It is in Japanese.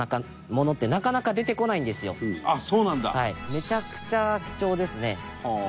めちゃくちゃ貴重ですね。